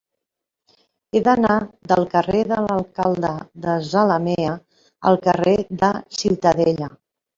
He d'anar del carrer de l'Alcalde de Zalamea al carrer de Ciutadella.